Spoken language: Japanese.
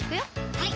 はい